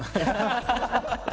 ハハハハッ！